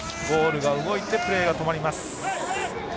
ゴールが動いてプレーが止まります。